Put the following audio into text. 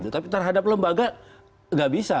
tapi terhadap lembaga nggak bisa